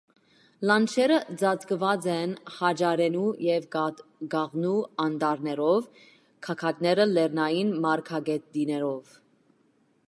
Լանջերը ծածկված են հաճարենու և կաղնու անտառներով, գագաթները՝ լեռնային մարգագետիններով։